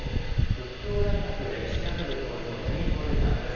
佛教大学歴史学部教授の八木透さんです。